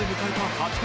８回